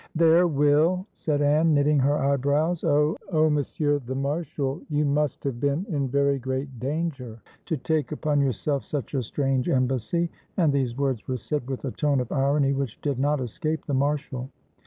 "Their will!" said Anne, knitting her eyebrows. "Oh, oh. Monsieur the Marshal; you must have been in very great danger to take upon yourself such a strange embassy." And these words were said with a tone of irony which did not escape the marshal.